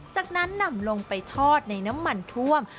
จากนั้นนำลงไปทอดในน้ำมันท่วม